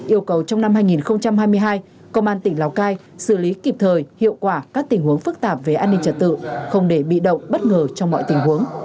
yêu cầu trong năm hai nghìn hai mươi hai công an tỉnh lào cai xử lý kịp thời hiệu quả các tình huống phức tạp về an ninh trật tự không để bị động bất ngờ trong mọi tình huống